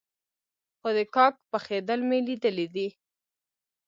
خو د کاک پخېدل مې ليدلي دي.